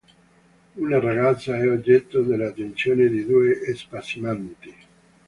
Una ragazza è oggetto delle attenzioni di due spasimanti.